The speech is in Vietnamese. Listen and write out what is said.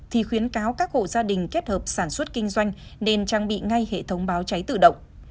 thì khuyến cáo các hộ gia đình kết hợp sản xuất kinh doanh nên trang bị ngay hệ thống báo cháy tự động